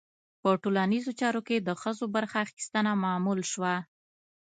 په ټولنیزو چارو کې د ښځو برخه اخیستنه معمول شوه.